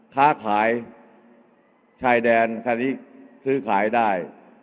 ค้าขายชายแดนขายสือขายได้